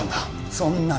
そんなの